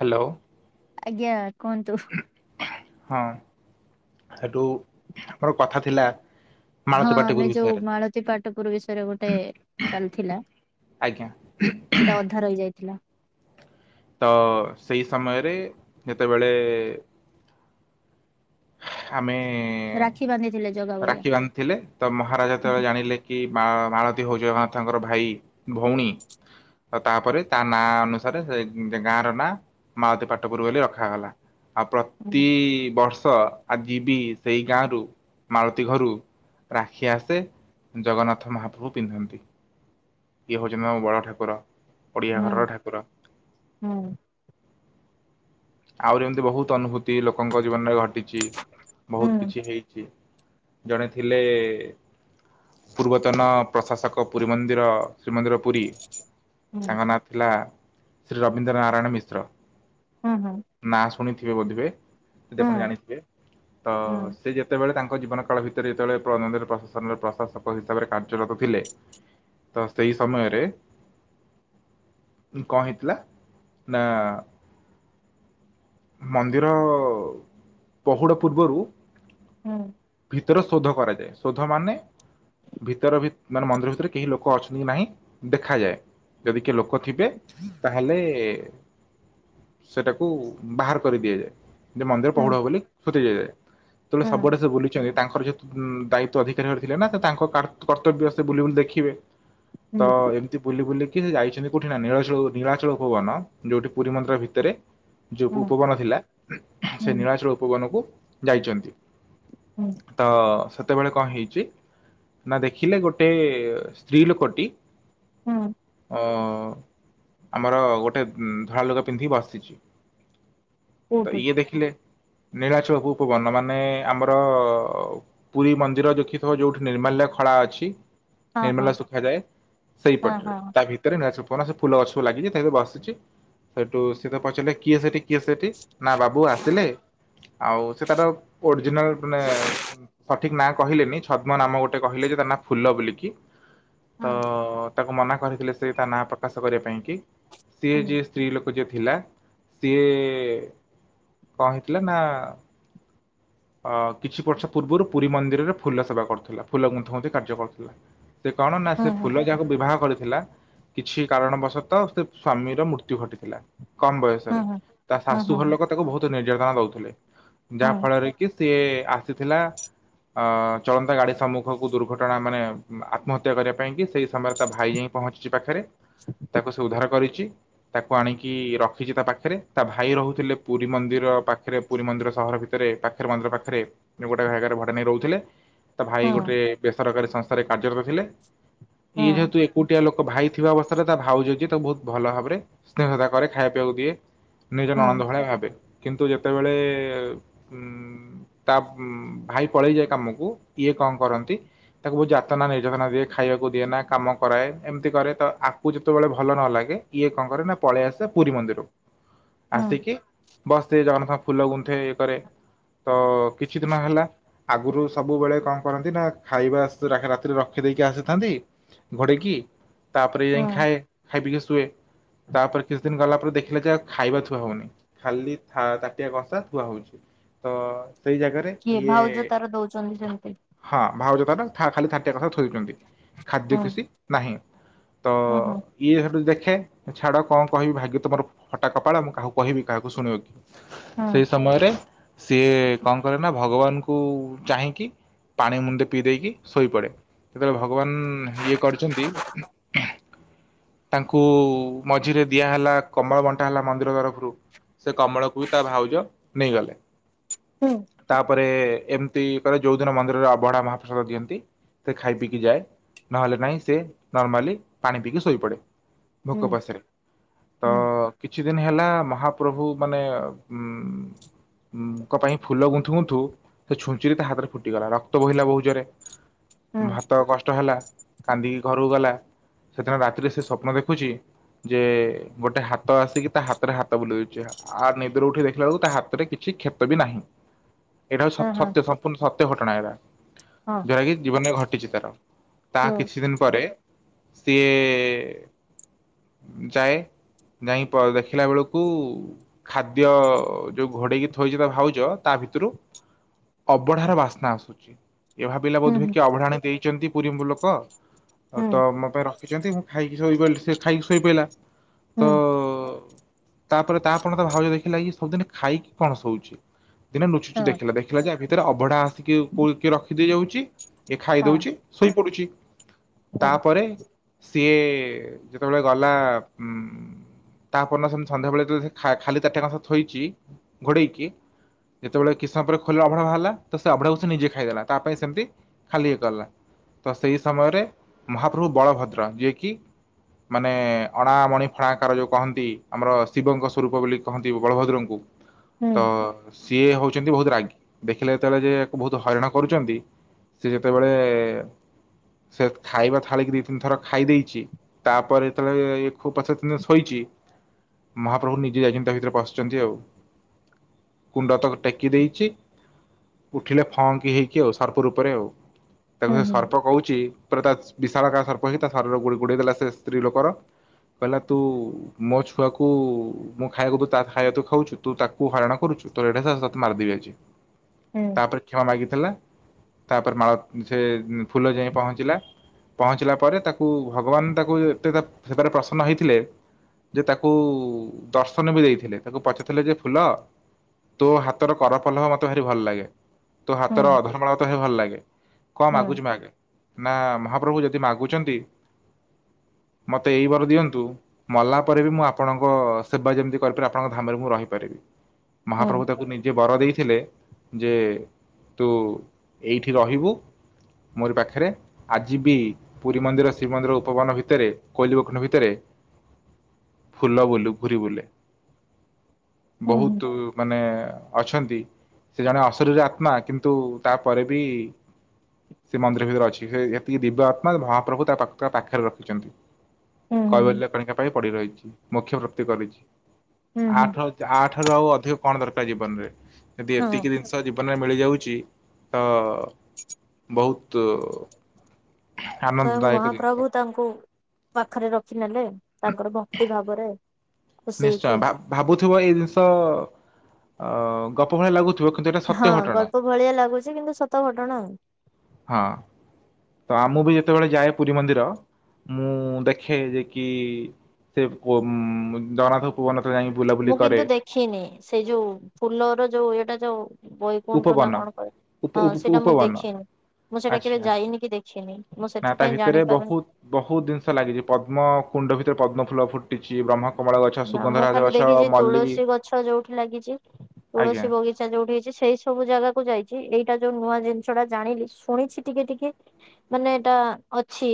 Hello. ଆଜ୍ଞା। କୁହନ୍ତୁ। ହଁ ସେଠୁ ମୋର କଥା ଥିଲା ହଁ ମାଳତୀ ପାଟପୁର ଆମେ ଯୋଉ ବିଷୟରେ ମାଳତୀ ପାଟପୁର ବିଷୟରେ ଗୋଟେ ଚାଲିଥିଲା ଆଜ୍ଞା ସେଇଟା ଅଧା ରହି ଯାଇଥିଲା। ଥିଲା। ତ ସେଇ ସମୟରେ ଯେତେବେଳେ ଆମେ ରାକ୍ଷୀ ବାନ୍ଧିଥିଲେ ଜଗା ବଳିଆ। ରାକ୍ଷୀ ବାନ୍ଧିଥିଲେ ତ ମହାରାଜା ତାହା ହୁଁ ଯେତେବେଳେ ଜାଣିଲେ କି ମା ମାଳତୀ ହଉଛି ତାଙ୍କର ଭାଇ ଭଉଣୀ ତାପରେ ତା ନାଁ ଅନୁ ସାରେ ସେ ଗାଁ ର ନାଁ ମାଳତୀ ପାଟପୁରୀ ବୋଲି ରଖାଗଲା। ଆ ହୁଁ ପ୍ରତିବର୍ଷ ସ ଆଜି ବି ସେଇ ଗାଁରୁ ମାଳତୀ ଘରୁ ରାକ୍ଷୀ ଆସେ, ଜଗନ୍ନାଥ ମହାପ୍ରଭୁ ପିନ୍ଧନ୍ତି। ଇଏ ହଉଛନ୍ତି ମୋ ବଡ଼ ଠାକୁରା। ଓଡ଼ିଆ ଘରର ଠାକୁର। ହୁଁ ଆହୁରି ଏମିତି ବହୁତ ଅନୁ ଭୂତି ତିଲୋକଙ୍କ ଜୀବନରେ ଘଟିଛି ବହୁତ ହୁଁ କିଛି ହେଇଛି ଜଣେ ଥିଲେ ପୂର୍ବତନ ପ୍ରଶାସକ ପୁରୀ ମନ୍ଦିର ଶ୍ରୀମନ୍ଦିର ପୁରୀ ହୁଁ ତାଙ୍କ ନା ଥିଲା ଶ୍ରୀ ରବୀନ୍ଦ୍ର ନାରାୟଣ ମିଶ୍ର। ହୁଁ ହୁଁ। ନା ଶୁଣିଥିବେ ବୋଧିବେ ସେଦି ଆପଣ ଜାଣି ଥିବେ ତ ହୁଁ ସେ ଯେତେ ବେଳେ ତାଙ୍କ ମୋଜିବନ କାଳ ଭିତରେ ସେଥେ ରେ ଯେତେ ବେଳେ ପ୍ରନଦରେ ପ୍ରସେ ସନର ପ୍ରଶା ସକ ହିସାବରେ କାର୍ଯ୍ୟ ଆଳାପ ଥିଲେ ତ ସେଇ ସମୟରେ କଣ ହେଇ ଥିଲା ନାଆଁ ମନ୍ଦିର ପହୁଡ଼ ପୂର୍ବରୁ ହୁଁ। ଭିତର ଶୋଧ କରାଯାଏ ଶୋଧ ମାନେ ଭିତର ମାନେ ମନ୍ଦିର ଭିତରେ କେହି ଲୋକ ଅଛନ୍ତି କି ନାହିଁ ଦେଖାଯାଏ ଯଦି କିଏ ଲୋକ ଥିବେ ତାହେଲେ ସେଟାକୁ ବାହାର କରି ଦିଆଯାଏ। ମନ୍ଦିର ହୁଁ ପହୁଡ ହବ ବୋଲି କୋଉଠିଏ? ତୁମେ ସବୁଆଡେ ସେ ବୁଲିନଚି ତାଙ୍କର ଯେହତୁ ଦାୟିତ୍ୱ ଅଧିକାରୀ ହବାର ଥିଲା ନା ସେ ତାଙ୍କ କର୍ତ୍ତବ୍ୟ ସେ ବୁଲି ବୁଲି ଦେଖିବେ। ହୁଁ ହୁଁ ତ ଏମିତି ବୁଲି ବୁଲି କି ସେ ଯାଇ ଛନ୍ତି କୋଉଠି ନା ନିଳା ନିଳାଚଳ କୋଉ ବନ? ଯେଉଠି ପୁରୀ ମନ୍ଦ୍ରିରତ ଭି ଏବେ ଯୋଉ ହୁଁ ଭୁପବନ ଥିଲା ହୁଁ ସେ ହୁଁ ହୁଁ ନୀଳାଚଳ ଉପ କନକୁ ଯାଇଛନ୍ତି। ତ ସେତ୍ ସେତେବେଳେ କଣ ହେଇଛି ନା ଦେଖିଲେ ଗୋଟେ ସ୍ତ୍ରୀ ଲୋକଟି ହୁଁ। ଅ ଆମର ଗୋଟେ ଧଳା ଲୁଗା ପିନ୍ଧିକି ବସି ସ୍ଥିଛି ତ କୋଉଠି ଇଏ ଦେଖିଲେ ନୀଳାଚଳକୁ ଉପବର୍ଣ୍ଣ ମାନେ ଆମର ପୁରୀ ମନ୍ଦିର ଦେଖିଥିବ ଯୋଉଠି ନିର୍ମାଲ୍ୟ ଖଳା ଅଛି ହଁ ହଁ ନିର୍ମାଲ୍ଯ ସୁଖାୟେ ସେଇ ପଟରେ ହଁ ତା ଭିତରେ ନି ପଣସ ଫୁଲ ଗଛକୁ ଲାଗିଛି ସେ ବସିଛି ସେଇଠୁ ସେ ପଚାରିଲା କିଏ ସେଠି? କିଏ ସେଠି ନା ବାବୁ ଆସିଲେ ଆଉ ସେ ତାର ଓରିଜିନାଲ ମାନେ ଠିକ ନାଁ କହିଲେନି ଛଦ୍ମ ନାମ ଗୋଟେ କହିଲେ ଯେ ତା ନାଁ ଫୁଲ ବୋଲି କି ହଁ ତ ତାକୁ ମନା କରିଥିଲେ ସେ ତା ନାଁ ପ୍ରକାଶ କରିବା ପାଇଁ କି? ସିଏ ହଁ ଯିଏ ସ୍ତ୍ରୀ ଲୋକ [unintelligible] ଥିଲା ସିଏ କଣ ହେଇଥିଲା ନା କିଛି ବର୍ଷ ପୂର୍ବରୁ ପୁରୀ ମନ୍ଦିରରେ ଫୁଲ ସେବା କରୁଥିଲା ଫୁଲ ଗୁନ୍ଥୂଗୁନ୍ଥି କାର୍ଯ୍ୟ କରୁଥିଲା। ସେ କଣ ନା ସେ ଫୁଲ ଯାହାକୁ ବିବାହ କରି ଥିଲା କିଛି କାରଣବଶତଃ ସେ ସ୍ଵାମୀର ମୃତ୍ୟୁ ଘଟିଥିଲା। କମ ହୁଁ ହଁ ବୟସରେ ହଁ ତା ହଁ ଶାଶୁ ହଁ ଘର ଲୋକ ତାକୁ ବହୁତ ନିର୍ଯାତନା ଦଉଥିଲେ। ହଁ ଯାହା ଫଳରେ କି ସିଏ ଆସିଥିଲା ଚଳନ୍ତା ଗାଡ଼ି ସମ୍ମୁଖକୁ ଦୁର୍ଘଟଣା ମାନେ ଆତ୍ମହତ୍ୟା କରିବା ପାଇଁକି ସେଇ ସମୟରେ ତା ଭାଇ ଯାଇକି ପହଞ୍ଚିଛି ପାଖରେ। ତାକୁ ସେ ଉଦ୍ଧାର କରିଛି। ତାକୁ ଆଣିକି କି ରଖିଛି ତା ପାଖରେ ତା ଭାଇ ରହୁଥିଲେ ପୁରୀ ମନ୍ଦିର ପାଖରେ ପୁରୀ ମନ୍ଦିର ସହର ଭିତରେ ପାଖରେ ମନ୍ଦିର ପାଖରେ ଯଉ ଗୋଟେ ଜାଗାରେ ଭଡା ନେଇ ରହୁଥିଲେ। ତା ହଁ ଭାଇ ହଁ ହଁ ଗୋଟେ ବେସରକାରୀ ସଂସ୍ଥାରେ କାର୍ଯ୍ୟରତ ଥିଲେ। ଇଏ ଯେହେତୁ ଏକୁଟିଆ ଲୋକ ଭାଇ ଥିବା ଅବସ୍ଥାରେ ତା ଭାଉଜ ଯିଏ ତାକୁ ବହୁତ ଭଲ ଭାବରେ ସ୍ନେହ ତା ଘରେ ଖାଇବା ପିଇବାକୁ ଦିଏ। ନିଜର ହଁ ହଁ ନଣନ୍ଦ ଭଳିଆ ଭାବେ କିନ୍ତୁ ଯେତେବେଳେ ଉଁ ତା ଭାଇ ପଳେଇଯାଏ କାମକୁ ଇଏ କଣ କରନ୍ତି ତାକୁ ବହୁ ଯାତନା ନିର୍ଯାତନା ଦିଏ ଖାଇବାକୁ ଦିଏ ନା କାମ କରାଏ ଏମିତି କରେ ତ ଆକୁ ଯେତେବେଳେ ଭଲ ନ ଲାଗେ ଇଏ କଣ କରେ ନା ପଳେଇ ଆସେ। ସେ ପୁରୀ ମନ୍ଦିର ହଁ ଆସିକି ବାସ୍ ଏ ଜଗନ୍ନାଥ ଫୁଲ ଗୁନ୍ଥେ ଇଏ କରେ ତ କିଛି ଦିନ ହେଲା ଆଗରୁ ସବୁବେଳେ କଣ କରନ୍ତି ନା ଖାଇବା ରାତିରେ ରଖି ଦେଇକି ଆସିଥାନ୍ତି ଘୋଡେଇକି। ତାପରେ ଯାଇ ହଁ ଖାଏ ଖାଇ ପି ହୁଏ ତାପରେ କିଛି ଦିନ ଗଲା ପରେ ଦେଖିଲେ ଯେ ଖାଇବା ଥୁଆ ହେଉନି ଖାଲି ତାଟିଆ କଂସା ଥୁଆ ହେଉଛି ତ। ସେଇ ଜାଗାରେ କିଏ ଇଏ ଭାଉଜ ତାର ଦଉଛନ୍ତି ସେମିତି ହଁ ଭାଉଜ ତାହେନେ ଖାଲି ଥାଟିଆ କଥା ଥୋଉଛନ୍ତି। ଖାଦ୍ୟ ହୁଁ କିଛି ନାହିଁ। ତ ହୁଁ ହୁଁ ଇଏ ସେଠୁ ଦେଖ ଛାଡ କଣ? କହିବି ଭାଗ୍ୟ ତମର ହଟା କପାଳ ମୁଁ କାକୁ କହିବି କାହାକୁ ଶୁଣିବ କି? ହୁଁ ସେଇ ସମୟରେ ସିଏ କଣ କରେ ନା ଭଗବାନଙ୍କୁ ଚାହିଁକି ପାଣି ମୁଣ୍ଡେ ପିଇ ଦେଇକି ଶୋଇପଡ଼େ ସେତେବେଳେ ଭଗବାନ ଇଏ କରିଛନ୍ତି ତାଙ୍କୁ ମଝିରେ ଦିଆ ହେଲା କମଳ ବଣ୍ଟା ହେଲା ମନ୍ଦିର ତରଫରୁ ସେ କମଳକୁ ବି ତା ଭାଉଜ ନେଇଗଲେ। ହୁଁ। ତାପରେ ଏମିତି କରେ ଯୋଉ ଦିନ ମନ୍ଦିରରେ ଅବଢା ମହାପ୍ରସାଦ ଦିଅନ୍ତି ସେ ଖାଇ ପିଇକି ଯାଏ ନହେଲେ ନାହିଁ ସେ ନର୍ମାଲି ପାଣି ପିଇକି ଶୋଇପଡେ। ହୁଁ ଭୋକପାସରେ ତ ହୁଁ କିଛି ଦିନ ହେଲା ମହାପ୍ରଭୁ ମାନେ ଉଁ ଙ୍କ ପାଇଁ ଫୁଲ ଗୁନ୍ଥୁ ଗୁନ୍ଥୁ ସେ ଛୁଞ୍ଚିରେ ତା ହାତରେ ଫୁଟିଗଲା ରକ୍ତ ବୋହିଲା ବହୁ ଜରେ ଭାତ କଷ୍ଟ ହେଲା କାନ୍ଦିକି ଘରକୁ ଗଲା। ସେଦିନ ରାତିରେ ସେ ସ୍ବପ୍ନ ଦେଖୁଛି ଯେ ଗୋଟେ ହାତ ଆସିକି ତା ହାତରେ ହାତ ବୁଲଉଛି ଆ ନିଦରୁ ଉଠି ଦେଖିଲା ବେଳକୁ ତା ହାତରେ କିଛି କ୍ଷେତ ବି ନାହିଁ। ଏଟ ହଉ ସ ସତ୍ୟ ସମ୍ପୂର୍ଣ ସତ। ଘଟଣା ଏରା। ଯଟାକ କି ଜୀବନ ଘ [unintelligible] ତାହା କିଛି ଦିନ ପରେ ସିଏ ଯାଏ ଯାଇ ଦେଖିଲା ବେଳକୁ ଖାଦ୍ୟ ଯୋଉ ଘୋଡେଇକି ଥୋଇଛି ତା ଭାଉଜ ତା ଭିତରୁ ଅବଢାର ବାସ୍ନା ଆସୁଛି। ଏ ଭାବିଲା ବୋଧେ କିଏ ଅଭଡ଼ା ଆଣି ଦେଇଛନ୍ତି। ପୁରୀ ମୁଲକ ଆଉ ତ ମୋ ପାଇଁ ରଖିଛନ୍ତି ମୁଁ ଖାଇକି [unintelligible] ସେ ଖାଇ ଶୋଇ ପଇଲା। ହୁଁ। ତାପରେ ତାପର ଦିନ ତା ଭାଉଜ ଦେଖିଲା କି ସବୁଦିନ ଖାଇକି କଣ ଶୋଉଛି? ଦିନ ନୁଚୁଚୁ ଦେଖା ଦେଖିଲା। ଏଥିରେ ଅଭଢା ଆସିକିି କିଏ ରଖି ଦେଇଯାଉଛି। ଏ ଖାଇ ଦଉଛି ଶୋଇ ପଡୁଛି। ତାପରେ ସିଏ ଯେତେବେଳେ ଗଲା ଉ ତା ପରଦିନ ସେମିତି ସନ୍ଧ୍ୟାବେଳେ ଖାଲି ତାଟିଆ କଂସା ସହ ଥୋଇଛି ଘୋଡେଇକି ଯେତେବେଳେ କି ସମୟ ପରେ ଖୋଲିଲା ଅଭଢା ବାହାରିଲା ତ ସେ ଅଭଢାକୁ ସେ ନିଜେ ଖାଇଦେଲା ତା ପାଇଁ ସେମିତି ଖାଲି ଇ କଲା ତ ସେଇ ସମୟରେ ମହାପ୍ରଭୁ ବଳଭଦ୍ର ଯିଏକି ମାନେ ଅଣା ମଣି ଫଣାକାର ଯେଉଁ କହନ୍ତି ଆମର ଶିବଙ୍କ ସ୍ୱରୂପ ବୋଲି କହନ୍ତି ବଳଭଦ୍ରଙ୍କୁ ତ ସିଏ ହଉ କେମିତି ବହୁତ ରାଗି ଦେଖିଲେ ଯେତେଳେ ଯେ ବହୁ ହଇରାଣ କରୁଛନ୍ତି ସେ ଯେତେବେଳେ ସେ ଖାଇବା ଥାଳି ଦି ତିନି ଥର ଖାଇ ଦେଇଛି। ତାପରେ ଯେତେବେଳେ ପଚାରି ଛନ୍ତି ଶୋଇଛି ମହାପ୍ରଭୁ ନିଜେ ଯାଇଛନ୍ତି ତା ଭିତରେ ପସୁଛନ୍ତି ଆଉ କୁଣ୍ଡ ତକ ଟେକି ଦେଇଛି ଉଠିଲେ ଫଙ୍କି ହେଇକି ଆଉ ସର୍ପ ରୂପରେ ଆଉ। ତାକୁ ସେ ସର୍ପ କହୁଛି ପୁରା ତା ବିଶାଳକାର ସର୍ପ ହେଇକି ତା ଶରୀର ଗୁଡ଼ି ଗୋଡ଼େଇ ଦେଲେ ସେ ସ୍ତ୍ରୀ ଲୋକର କହିଲା ତୁ ମୋ ଛୁଆକୁ ମୁଁ ଖାଇବାକୁ ଦଉଚି ତା ଖାଇବା ତୁ ଖାଉଛୁ ତୁ ତାକୁ ହଇରାଣ କରୁଛୁ ତୋର ଏଡ଼େ ସାହସ ତୋତେ ମାରିଦେବି ଆଜି ତାପରେ କ୍ଷମା ମାଗିଥିଲା। ତାପରେ ମାଳ ସେ ଫୁଲ ଯାଇ ପହଞ୍ଚିଲା ପହଞ୍ଚିଲା ପରେ ତାକୁ ଭଗବାନ ତାକୁ ତେ ସେପାରେ ପ୍ରସନ୍ନ ହେଇଥିଲେ ଯେ ତାକୁ ଦର୍ଶନ ବି ଦେଇଥିଲେ ତାକୁ ପଚାରଥିଲେ ଯେ ଫୁଲ ତୋ ହାତର କରପଲଭ ମତେ ଭାରି ଭଲ ଲାଗେ। ତୁ ହାତର ଅଧର୍ମାଳ ତ ହ ଭଲ ଲାଗେ କଣ ଆଗୁଛି ମଗେ? ନା ମହାପ୍ରଭୁ ଯଦି ମାଗୁଛନ୍ତି ମତେ ଏଇ ବାର ଦିଅନ୍ତୁ ମଲା ପରେ ବି ମୁଁ ଆପଣଙ୍କ ସେବା ଯେମିତି କରିପାରିବି ଆପଣଙ୍କ ଧାମରେ ମୁଁ ରହିପାରିବି। ମହାପ୍ରଭୁ ତାକୁ ନିଜେ ବର ଦେଇଥିଲେ। ଯେ ତୁ ଏଇଠି ରହିବୁ ମୋରି ପାଖରେ ଆଜି ବି ପୁରୀ ମନ୍ଦିର ଶ୍ରୀମନ୍ଦିର ଉପବନ ଭିତରେ କୋଇଲି ବଖଣ୍ଡ ଭିତରେ ଫୁଲ ବୁଲ ଘୁରି ବୁଲେ। ବହୁତ ମାନେ ଅଛନ୍ତି ସେ ଜଣେ ଅଶରୀର ଆତ୍ମା କିନ୍ତୁ ତାପରେ ବି ସେ ମନ୍ଦିର ଭିତରେ ଅଛି। ସେ ଏତିକି ଦିବ୍ୟ ଆତ୍ମା ମହାପ୍ରଭୁ ତା ପା ତା ପାଖରେ ରଖିଛନ୍ତି। କୈବଲ୍ୟ କଣିକା ପାଇଁ ପଡି ରହିଛି। ମୁୋକ୍ଷ୍ୟ ପ୍ରାପ୍ତି କରିଛି। ଆଠ ଆଠ ର ଆଉ ଅଧିକ କଣ ଦରକାର ଜୀବନ ରେ ଯଦି ହଁ, ଏତିକି ଜିନିଷ ଯିବ ଜୀବନରେ ମିଳି ଯାଉଅଛି ତ ବହୁତ୍ ସ୍ଵୟଂ ମହାପ୍ରଭୁ ତାଙ୍କୁ ପାଖରେ ରଖିିନେଲେ ତାଙ୍କର ଭକ୍ତି ଭାବରେ। ଖୁସି ନିଶ୍ଚୟ ହେଇକି ଭାବ ଭାବୁଥିବ ଏଇ ଜିନିଷ ଅ ଅ ଗପ ଭଳିଆ ଲାଗୁ ହଁ ଗଳ୍ପ ଭଳିଆ ଲାଗୁଛି କିନ୍ତୁ ସତ ଘଟଣା। ହଁ ତ ମୁଁ ବି ଯେତେବେଳେ ଯାଏ ପୁରୀ ମନ୍ଦିର ମୁଁ ଦେଖେ ଯେ କି ସେ ଜଗନ୍ନାଥ ପୂ ମୁଁ କିନ୍ତୁ ଦେଖିନି ସେଇ ଯୋଉ ଫୁଲର ଯୋଉ ଏଇଟା ଯୋଉ ବୈକୁଣ୍ଠ ନା ଉପବନ କଣ କହେ ହଁ ଉପ ସେଇଟା ମୁଁ ଉପବନ ଦେଖିନି। ମୁଁ ସେଇଟା କେବେ ଆଛା ଯାଇନି କି ଦେଖିନି ମୁଁ ନା ତା ସେଥିପାଇଁ ଭିତରେ ଜାଣିପାରୁନି ବହୁତ ବହୁତ ଜିନିଷ ଲାଗିଛି ପଦ୍ମ କୁଣ୍ଡ ଭିତରେ ପଦ୍ମ ଫୁଲ ଫୁ ଟିି୍ଛି ବ୍ରହ୍ମ ନା ମୁଁ ଖାଲି ଦେଖିଛି ତୁଳସୀ ଗଛ ଯୋଉଠି ଲାଗିଛି ଆଜ୍ଞା ତୁଳସୀ ବଗିଚା ଯୋଉଠି ହେଇଛି ସେଇ ସବୁ ଜାଗାକୁୁ ଯାଇଛି ଏଇଟା ଯୋଉ ନୂଆ ଜିନିଷ ଟା ଜାଣିଲି। ଶୁଣିଛି ଟିକେ ଟିକେ ମାନେ ଏଇଟା ଅଛି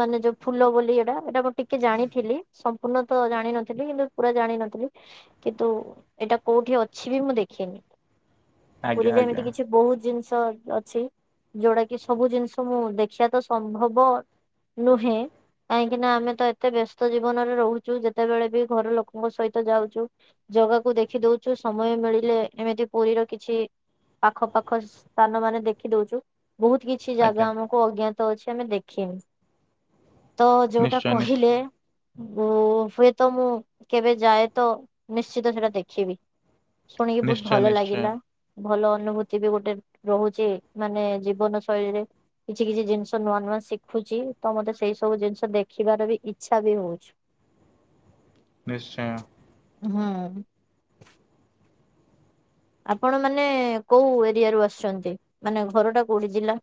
ମାନେ ଯୋଉ ଫୁଲ ବୋଲି ଏଇଟା ଏଇଟା ମୁଁ ଟିକେ ଜାଣିଥିଲି ସମ୍ପୂର୍ଣ୍ଣ ତ ଜାଣିିନ ଥିଲ କିନ୍ତୁ ପୁରା ଜାଣିନଥିଲି କିନ୍ତୁ ଏଇଟା କୋଉଠି ଅଛି ବି ମୁଁ ଦେଖିନି। ଆଜ୍ଞା ପୁରୀରେ ଏମିତି ଆଜ୍ଞା କିଛି ବହୁତ ଜିନିଷ [unintelligible] ଅଛି ଯୋଉଟା କି ସବୁ ଜିନିଷ ମୁଁ ଦେଖିବା ତ ସମ୍ଭବ ନୁହେଁ କାହିଁକି ନା ଆମେ ତ ଏତେ ବ୍ୟସ୍ତ ଜୀବନରେ ରହୁଛୁ ଯେତେବେଳେ ବି ଘର ଲୋକଙ୍କ ସହିତ ଯାଉଛୁ ଜାଗାକୁ ଦେଖି ଦଉଛୁ ସମୟ ମିଳିଲେ ଏମିତି ପୁରୀର କିଛି ପାଖ ପାଖ ସ୍ଥାନ ମାନେ ଦେଖି ଦଉଛୁ। ବହୁତ କିଛି ଜାଗା ଆଜ୍ଞା ଆମକୁ ଅଜ୍ଞ‌ା ତ ଅଛି ଆମେ ଦେଖିନୁ। ତ ଯୋଉଟା ନିଶ୍ଚୟ ନିଶ୍ଚୟ କହିଲେ ଓ [inaudible] ତ ମୁଁ କେବେ ଯାଏ ତ ନିଶ୍ଚିତ ସେଇଟା ଦେଖିବି। ଶୁଣିକି ବହୁତ ନିଶ୍ଚୟ ଭଲ ନିଶ୍ଚୟ ଲାଗିଲା। ଭଲ ଅନୁଭୂତି ବି ଗୋଟେ ରହୁଛି ମାନେ ଜୀବନ ଶୈଳୀରେ କିଛି କିଛି ଜିନିଷ ନୂଆ ନୂଆ ଶିଖୁଛି ତ ମତେ ସେଇ ସବୁ ଜିନିଷ ଦେଖିବାର ବି ଇଛା ବି ହଉଛି। ନିଶ୍ଚୟ। ହଁ। ଆପଣ ମାନେ କୋଉ ଏରିଆରୁ ଆସୁଛନ୍ତି ମାନେ ଘର ଟା କୋଉଠି ଜିଲ୍ଲା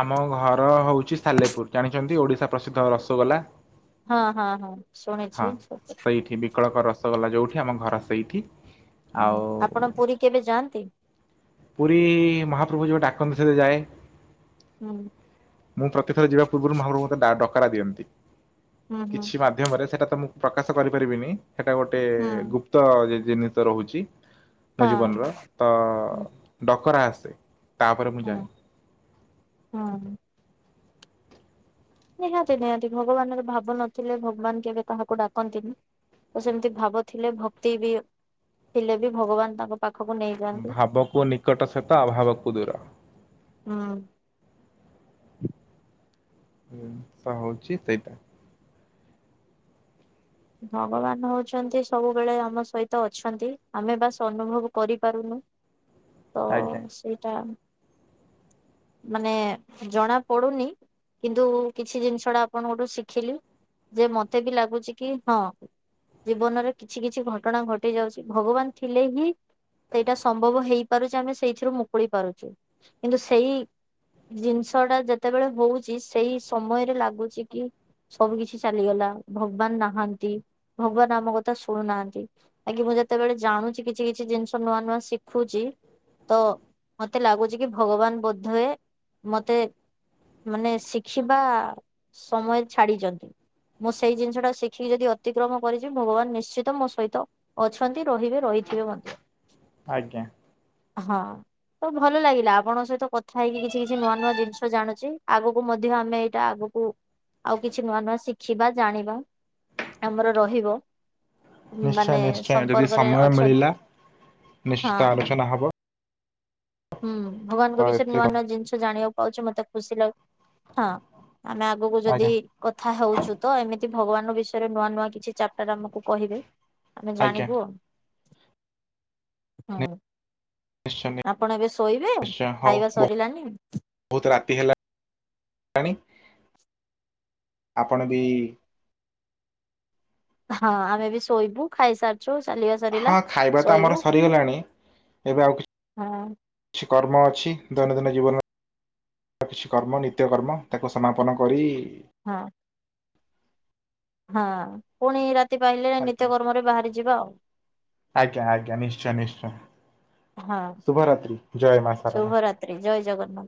ଆମ ଘର ହଉଛି ସାଲେପୁର ଜାଣିଛନ୍ତି ଓଡିଶା ପ୍ରସିଦ୍ଧ ରସଗୋଲା ହଁ ହଁ ହଁ। ଶୁଣିଛି। ହଁ ତଇଠି ବିକଳକ ର ରସଗୋଲା ଯୋଉଠି ଆମ ଘର ସେଇଠି ହୁଁ ଆଉ ଆପଣ ପୁରୀ କେବେ ଯାଆନ୍ତି? ପୁରୀ ମହାପ୍ରଭୁ ଯେବେ ଡାକନ୍ତି ସେବେ ଯାଏ। ହୁଁ। ମୁଁ ପ୍ରତିଥର ଯିବା ପୂର୍ବରୁ ମହାପଭୁ ମତେ ଡା ଡ କରା ଦିଅନ୍ତି। ହୁଁ ହୁଁ କିଛି ମାଧ୍ୟମରେ ସେଇଟା ତ ମୁଁ ପ୍ରକାଶ କରିପାରିବିନି ସେଇଟା ଗୋଟେ ହୁଁ ଗୁପ୍ତ ଜି ଜିନିିଷ ରହୁଛି। ମୋ ହଁ ଜୀବନର ତ ହୁଁ ଡକରା ଆସେ ସେ ତାପରେ ମୁଁ ଯାଏ। ହୁଁ ହୁଁ। ନିହାତି ନିହାତି ଭଗବାନର ଭାବ ନଥିଲେ ଭଗବାନ କେବେ କାହାକୁ ଡାକନ୍ତିନି ତ ସେମିତି ଭାବ ଥିଲେ ଭକ୍ତି ବି ଥିଲେ ବି ଭଗବାନ ତାଙ୍କ ପାଖକୁ ନେଇଯାଆନ୍ତି। ଭାବକୁ ନିକଟ ସହିତ ଅଭାବକୁ ଦୂର ହୁଁ। ଜିନିଷ ହେଉଛି ସେଇଟା ଭଗବାନ ହଉଛନ୍ତି ସବୁବେଳେ ଆମ ସହିତ ଅଛନ୍ତି ଆମେ ବାସ୍ ଅନୁଭବ କରିପାରୁନୁ। ତ ଆଜ୍ଞା ସେଇଟା ମାନେ ଜଣା ପଡୁନି କିନ୍ତୁ କିଛି ଜିନିଷ ଟା ଆପଣଙ୍କଠୁ ଶିଖିଲି ଯେ ମତେ ବି ଲାଗୁଛି କି ହଁ ଜୀବନରେ କିଛି କିଛି ଘଟଣା ଘଟି ଯାଉଛି ଭଗବାନ ଥିଲେ ହିଁ ସେଇଟା ସମ୍ଭବ ହେଇପାରୁଛି ଆମେ ସେଇଥିରୁ ମୁକୁଳି ପାରୁଛୁ କିନ୍ତୁ ସେଇ ଜିନିଷ ଟା ଯେତେବେଳେ ହଉଛି ସେଇ ସମୟରେ ଲାଗୁଛି କି ସବୁ କିଛି ଚାଲିଗଲା ଭଗବାନ ନାହାନ୍ତି। ଭଗବାନ ଆମ କଥା ଶୁଣୁନାହାନ୍ତି ଆଗେ ମୁଁ ଯେତେବେଳେ ଜାଣୁଛି କିଛି କିଛି ଜିନିଷ ନୂଆ ନୂଆ ଶିଖୁଛି ତ ମତେ ଲାଗୁଛି କି ଭଗବାନ ବୋଧଏ ମତେ ମାନେ ଶିଖିବା ସମୟ ଛାଡିଛନ୍ତି ମୁଁ ସେଇ ଜିନିଷ ଟା ଶିଖିକି ଯଦି ଅତିକ୍ରମ କରିଛି ଭଗବାନ ନିଶ୍ଚିତ ମୋ ସହିତ ଅଛନ୍ତି ରହିବେ ରହିଥିବେ ମଧ୍ୟ ଆଜ୍ଞା। ହଁ ତ ଭଲ ଲାଗିଲା ଆପଣଙ୍କ ସହିତ କଥା ହେଇକି କିଛି କିଛି ନୂଆ ନୂଆ ଜିନିଷ ଜାଣୁଛି ଆଗକୁ ମଧ୍ୟ ଆମେ ଏଇଟା ଆଗକୁ ଆଉ କିଛି ନୂଆ ନୂଆ ଶିଖିବା ଜାଣିବା। ଆମର ରହିବ। ନିଶ୍ଚୟ ମାନେ ନିଶ୍ଚୟ ଯଦି ସମ୍ପର୍କରେ ସମୟ ଅଛ ମିଳିଲା ହଁ ନିଶ୍ଚିତ ଆଲୋଚନା ହବ। ହୁଁ ତ ଭଗବାନଙ୍କ ବିଷରେ ନୂଆ ଏଥିରେ ନୂଆ ଜିନିଷ ଜାଣିବାକୁ କହୁଛି ମତେ ଖୁସି ଲାଗୁ ହଁ। ଆମେ ଆଗକୁ ଯଦି ଆଜ୍ଞା କଥା ହଉଛୁ ତ ଏମିତି ଭଗବାନଙ୍କ ବିଷୟରେ ନୂଆ ନୂଆ କିଛି ଚାପଟର ଆମକୁ କହିବେ। ଆମେ ଆଜ୍ଞା ଜାଣିବୁ। ହଁ। ନିଶ୍ଚ। ଆପଣ ଏବେ ଶୋଇବେ ଖାଇବା ସରିଲାନି ଣି ଆପଣ ବି। ହଁ ଆମେ ବି ଶୋଇବୁ ଖାଇସାର ହଁ ଖାଇବା ତ ଆମର ସରିଗଲାଣି ଏବେ ଆଉ ହଁ କିଛି କର୍ମ ଅଛି ଦୈନନ୍ଦିନ ଜୀବନ କିଛି କର୍ମ ନିତ୍ୟକ୍ମ ତାକୁ ସମାପନ କରି ହଁ। ହଁ ପୁଣି ରା ଆଜଞା ଆଜ୍ଞା ଆଜ୍ଞା ନିଶ୍ଚୟ ନିଶ୍ଚୟ ହଁ ଶୁଭ ରାାତି ଜୟ ମାାତାର ନା